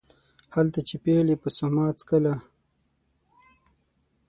هلته چې پېغلې به سوما څکله